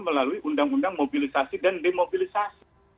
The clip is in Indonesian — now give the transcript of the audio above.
melalui undang undang mobilisasi dan demobilisasi